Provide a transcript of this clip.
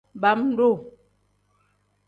Bam-duu.